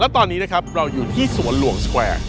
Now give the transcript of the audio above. แล้วตอนนี้นะครับเราอยู่ที่สวรรค์หลวงสแกว่ร์